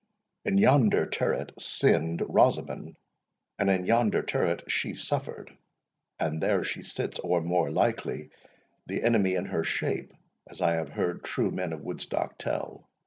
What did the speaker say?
In yonder turret sinned Rosamond, and in yonder turret she suffered; and there she sits, or more likely, the Enemy in her shape, as I have heard true men of Woodstock tell.